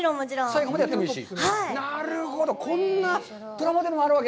最後までやってもいいし？